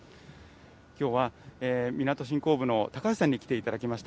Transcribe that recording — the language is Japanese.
きょうはみなと振興部の高橋さんに来ていただきました。